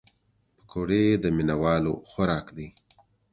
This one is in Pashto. پکورې د مینهوالو خوراک دی